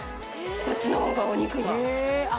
こっちのほうがお肉が。